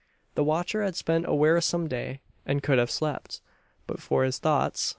The watcher had spent a wearisome day, and could have slept but for his thoughts.